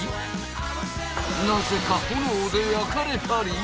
なぜか炎で焼かれたり。